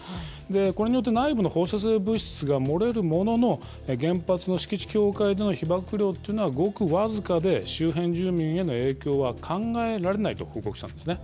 これによって、内部の放射性物質が漏れるものの、原発の敷地境界での被ばく量というのはごくわずかで、周辺住民への影響は考えられないと報告したんですね。